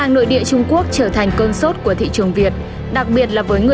nên không có giấy tờ về nguồn hàng